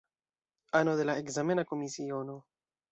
Ano de la ekzamena komisiono.